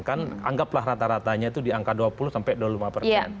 kan anggaplah rata ratanya itu di angka dua puluh sampai dua puluh lima persen